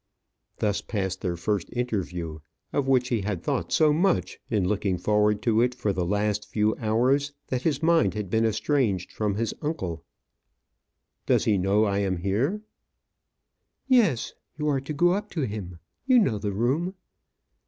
Thus passed their first interview, of which he had thought so much in looking forward to it for the last few hours, that his mind had been estranged from his uncle. "Does he know I am here?" "Yes. You are to go up to him. You know the room?"